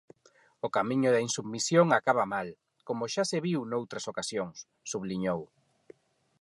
O camiño da insubmisión acaba mal, como xa se viu noutras ocasións, subliñou.